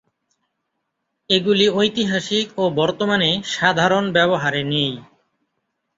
এগুলি ঐতিহাসিক ও বর্তমানে সাধারণ ব্যবহারে নেই।